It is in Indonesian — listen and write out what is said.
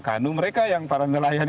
kanu mereka yang para nelayan